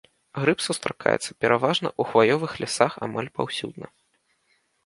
Грыб сустракаецца пераважна ў хваёвых лясах амаль паўсюдна.